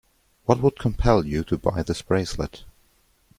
What would compel you to buy this bracelet?